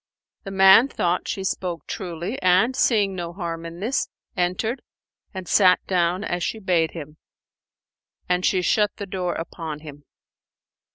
The man thought she spoke truly and, seeing no harm in this, entered and sat down as she bade him; and she shut the door upon him.